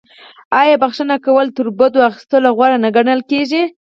آیا بخښنه کول تر بدل اخیستلو غوره نه ګڼل کیږي؟